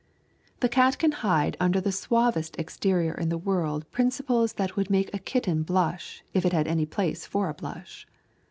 The cat can hide under the suavest exterior in the world principles that would make a kitten blush if it had any place for a blush.